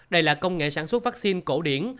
đây là công nghệ sản xuất vaccine cổ điển